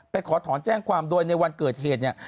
ขอถอนแจ้งความโดยในวันเกิดเหตุเนี่ย